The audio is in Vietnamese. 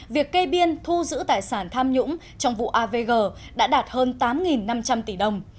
việc kê biên thu giữ tài sản tham nhũng trong vụ avg đã đạt hơn tám năm trăm linh tỷ đồng